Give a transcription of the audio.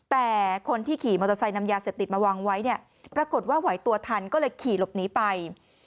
แต่คนที่ขี่มอเตอร์ไซค์นำยาเสพติดมาวางไว้เนี่ยปรากฏว่าไหวตัวทันก็เลยขี่หลบหนีไป